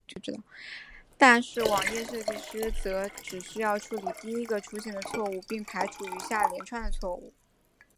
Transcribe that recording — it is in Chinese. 但是网页设计师则只需要处理第一个出现的错误并排除余下连串的错误。